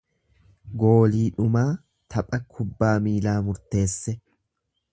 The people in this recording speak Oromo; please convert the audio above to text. Goolii dhumaa tapha kubbaa miilaa murteesse.